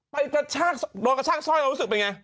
ไปกระชากโดนกระชากซ่อยออกมาอาจรู้สึกเป็นไง